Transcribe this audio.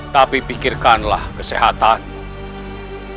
tapi pikirkanlah kesehatanmu